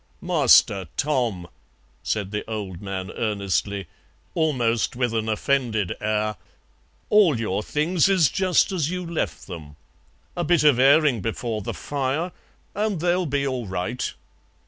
"Master Tom," said the old man earnestly, almost with an offended air, "all your things is just as you left them. A bit of airing before the fire an' they'll be all right.